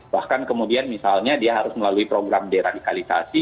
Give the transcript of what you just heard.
bahkan kemudian misalnya dia harus melalui program deradikalisasi